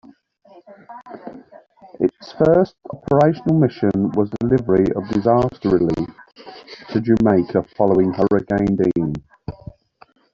Its first operational mission was delivery of disaster relief to Jamaica following Hurricane Dean.